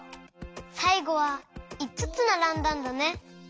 さいごはいつつならんだんだね。